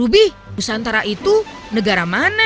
ubi nusantara itu negara mana